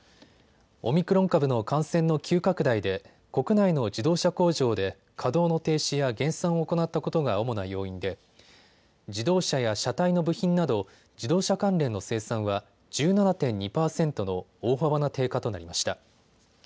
オミクロン株の感染の急拡大で国内の自動車工場で稼働の停止や減産を行ったことが主な要因で自動車や車体の部品など自動車関連の生産は１７．２％の大幅な低下となりました。